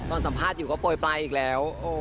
สัมภาษณ์อยู่ก็โปรยปลายอีกแล้ว